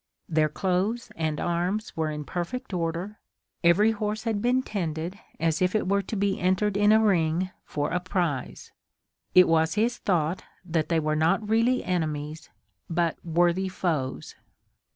Their clothes and arms were in perfect order, every horse had been tended as if it were to be entered in a ring for a prize. It was his thought that they were not really enemies, but worthy foes.